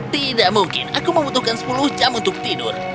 tidak mungkin aku membutuhkan sepuluh jam untuk tidur